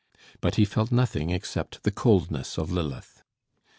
But he felt nothing except the coldness of Lilith.